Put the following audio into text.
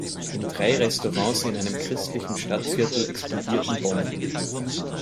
In drei Restaurants in einem christlichen Stadtviertel explodierten Bomben.